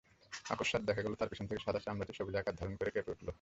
অকস্মাৎ দেখা গেল তার পেছন থেকে সাদা চামড়াটি সবুজ আকার ধারণ করে কেঁপে উঠল।